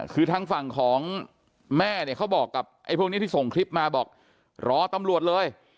คือทั้งฝั่งของแม่เขาบอกกับพวกนี้ที่ส่งคลิปมาเรียนร้อยตำรวจเลย